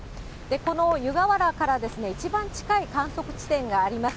この湯河原から一番近い観測地点があります。